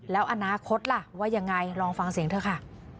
แล้วอนาคตล่ะว่ายังไงลองฟังเสียงเธอค่ะ